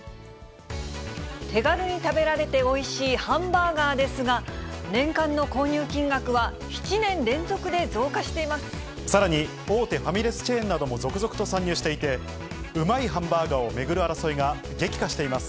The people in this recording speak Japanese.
手軽に食べられておいしいハンバーガーですが、年間の購入金額は、さらに大手ファミレスチェーンなども続々と参入していて、うまいハンバーガーを巡る争いが激化しています。